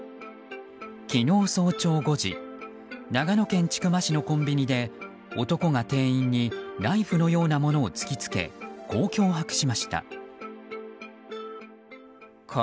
昨日早朝５時長野県千曲市のコンビニで男が店員にナイフのようなものを突きつけこう脅迫しました。